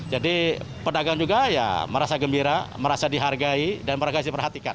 jadi penagang juga ya merasa gembira merasa dihargai dan meragai diperhatikan